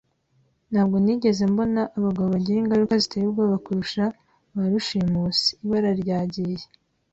Ntabwo nigeze mbona abagabo bagira ingaruka ziteye ubwoba kurusha ba rushimusi. Ibara ryagiye